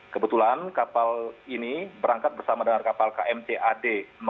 kebetulan kapal ini berangkat bersama dengan kapal kmc ad empat ratus lima belas